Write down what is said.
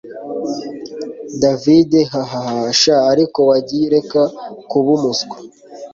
david haha, sha ariko wagiye ureka kuba umuswa